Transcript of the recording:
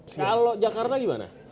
kalau jakarta gimana